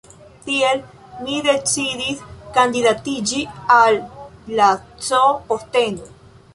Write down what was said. Tiel, mi decidis kandidatiĝi al la C posteno.